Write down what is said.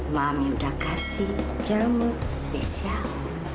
mami udah kasih jamu spesial